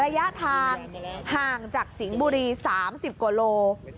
ระยะทางห่างจากสิงห์บุรี๓๐กว่าโล